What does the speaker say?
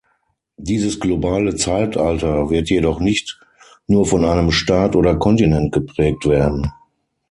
Dieses globale Zeitalter wird jedoch nicht nur von einem Staat oder Kontinent geprägt werden.